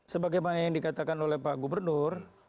sebagaimana yang dikatakan oleh pak gubernur